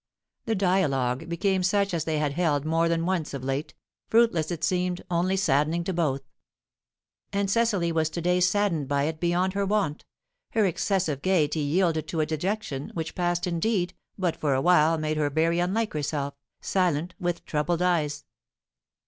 The dialogue became such as they had held more than once of late, fruitless it seemed, only saddening to both. And Cecily was to day saddened by it beyond her wont; her excessive gaiety yielded to a dejection which passed indeed, but for a while made her very unlike herself, silent, with troubled eyes.